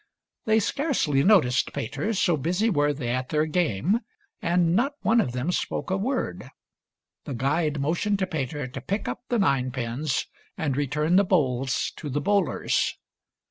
They scarcely noticed Peter, so busy were they at their game, and not one of them spoke a word. The guide motioned to Peter to pick up the nine pins and return the bowls to the bowlers.